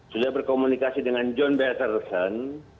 sudah berkomunikasi dengan john betterson